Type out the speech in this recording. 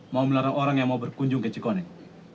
mau melarang orang yang mau berkunjung ke cikoneng